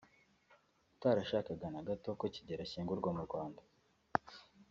utarashakaga na gato ko Kigeli ashyingurwa mu Rwanda